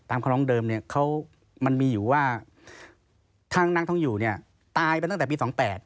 คำลองเดิมเนี่ยเขามันมีอยู่ว่าทางนางทองอยู่เนี่ยตายไปตั้งแต่ปี๒๘